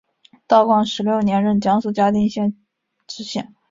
道光十六年任江苏嘉定县知县。